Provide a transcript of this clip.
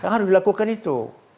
harus dilakukan itu